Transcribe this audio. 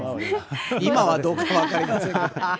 今はどうか分かりませんけど。